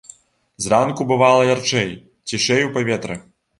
Зранку бывала ярчэй, цішэй у паветры.